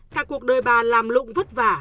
cả cuộc đời bà làm lụng vất vả